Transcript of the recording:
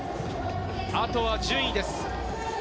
あとは順位です。